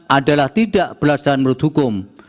adalah tidak berdasarkan menurut hukum